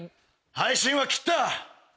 配信は切った！